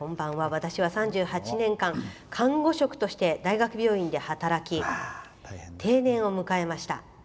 私は３８年間看護職として大学病院で働き定年を迎えました。